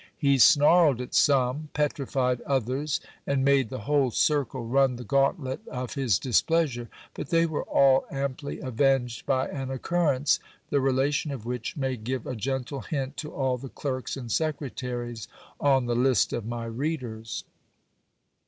He snarled at some, petrified others, and made the whole circle ran the gauntlet of his displeasure. But they were all amply avenged by an occurrence, the relation of which may give a gentle hint to all the clerks and secretaries on the list of my readers.